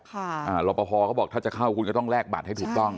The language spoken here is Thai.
รอปภเขาบอกถ้าจะเข้าคุณก็ต้องแลกบัตรให้ถูกต้อง